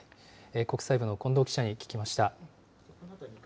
国際部の近藤記者に聞きました。